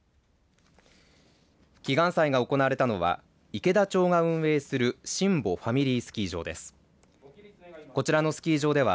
祈願祭が行われたのは池田町が運営する新保ファミリースキー場です。